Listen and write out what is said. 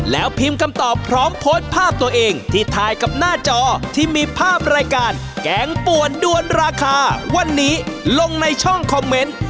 แล้วพิมพ์คำตอบพร้อมโพสต์ภาพตัวเองที่ถ่ายกับหน้าจอที่มีภาพรายการแกงป่วนด้วนราคาวันนี้ลงในช่องคอมเมนต์